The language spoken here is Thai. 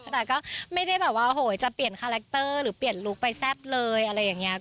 แต่ก็ไม่ได้แบบว่าโหจะเปลี่ยนคาแรคเตอร์หรือเปลี่ยนลุคไปแซ่บเลยอะไรอย่างนี้